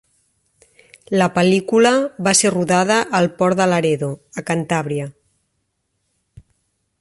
La pel·lícula va ser rodada al port de Laredo, a Cantàbria.